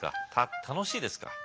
楽しいですか？